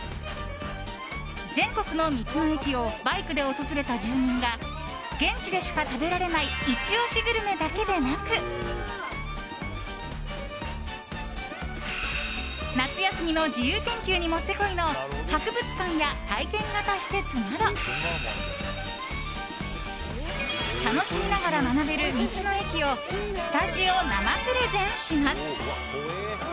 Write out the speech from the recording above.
全国の道の駅をバイクで訪れた住人が現地でしか食べられないイチ押しグルメだけでなく夏休みの自由研究にもってこいの博物館や体験型施設など楽しみながら学べる道の駅をスタジオ生プレゼンします。